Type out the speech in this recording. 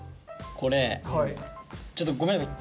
これちょっとごめんなさい。